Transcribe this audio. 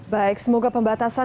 baik semoga pembatasan